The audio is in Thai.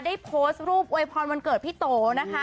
ได้โพสต์รูปอวยพรวันเกิดพี่โตนะคะ